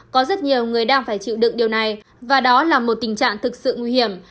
có rất nhiều người đang phải chịu đựng điều này và đó là một tình trạng thực sự nguy hiểm